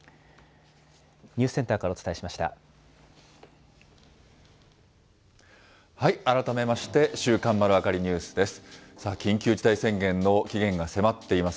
ニュースセンターからお伝えしま改めまして、週刊まるわかりニュースです。